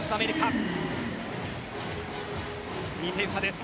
２点差です。